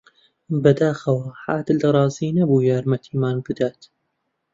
بەداخەوە، عادل ڕازی نەبوو یارمەتیمان بدات.